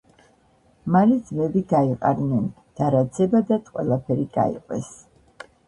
მალე ძმები გაიყარნენ და რაც ებადათ ყველაფერი გაიყვეს